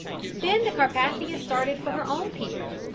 Then the Carpathia started for her own pier.